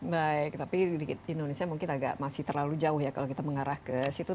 baik tapi di indonesia mungkin agak masih terlalu jauh ya kalau kita mengarah ke situ